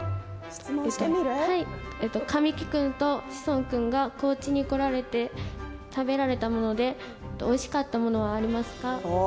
神木君と志尊君は高知に来られて食べられたものでおいしかったものありますか。